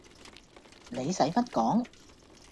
你洗乜講